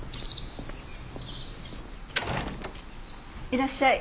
いらっしゃい。